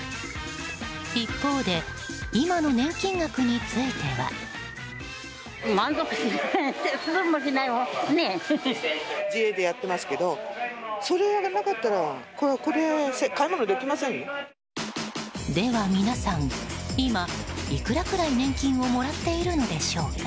一方で今の年金額については。では皆さん、今いくらくらい年金をもらっているのでしょうか。